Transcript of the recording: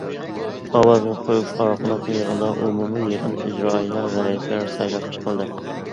ئاۋازغا قويۇش ئارقىلىق، يىغىندا ئومۇمىي يىغىن ئىجرائىيە رەئىسلىرى سايلاپ چېقىلدى.